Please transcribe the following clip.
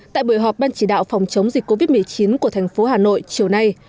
tại buổi họp ban chỉ đạo phòng chống dịch covid một mươi chín của thành phố hà nội chiều nay